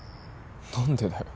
何でだよ。